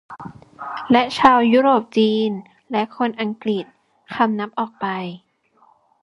และชาวยุโรปจีนและคนอังกฤษคำนับออกไป